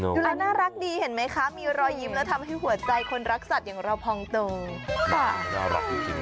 ดูแล้วน่ารักดีเห็นไหมคะมีรอยยิ้มแล้วทำให้หัวใจคนรักสัตว์อย่างเราพองโตค่ะน่ารักจริง